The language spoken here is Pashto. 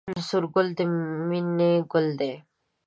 سور ګل د مینې ګل دی